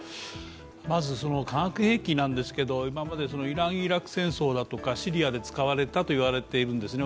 まず化学兵器なんですけど、今までイラン・イラク戦争とかシリアで使われたと言われているんですね。